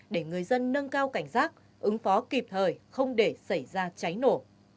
để người dân nâng cao cảnh giác ứng phó kịp thời không để xảy ra cháy nổ